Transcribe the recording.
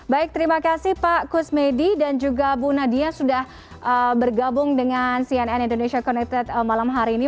baik terima kasih pak kusmedi dan juga bu nadia sudah bergabung dengan cnn indonesia connected malam hari ini